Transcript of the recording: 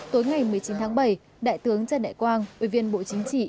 tối ngày một mươi chín tháng bảy đại tướng trần đại quang ubnd bộ chính trị